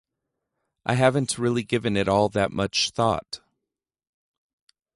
I haven’t really given it all that much thought.